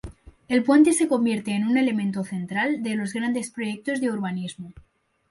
El puente se convierte en un elemento central de los grandes proyectos de urbanismo.